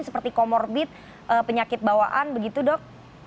seperti komorbit penyakit bawaan begitu dok